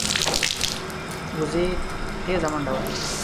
وزې تېزه منډه وهي